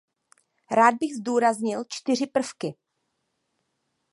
Rád bych zdůraznil čtyři prvky.